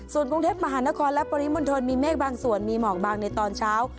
ส่วนกรุงเทพมหานครและปริมณฑลมีเมฆบางส่วนมีหมอกบางในตอนเช้า